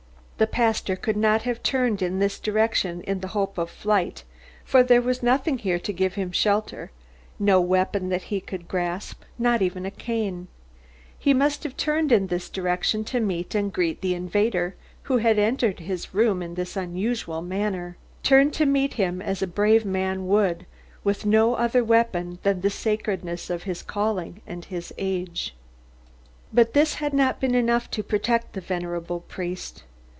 The pastor could not have turned in this direction in the hope of flight, for there was nothing here to give him shelter, no weapon that he could grasp, not even a cane. He must have turned in this direction to meet and greet the invader who had entered his room in this unusual manner. Turned to meet him as a brave man would, with no other weapon than the sacredness of his calling and his age. But this had not been enough to protect the venerable priest.